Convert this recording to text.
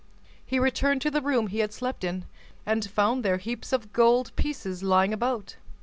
He returned to the room he had slept in, and found there heaps of gold pieces lying about.